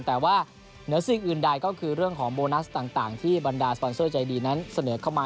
แต่ว่าเหนือสิ่งอื่นใดก็คือเรื่องของโบนัสต่างที่บรรดาสปอนเซอร์ใจดีนั้นเสนอเข้ามา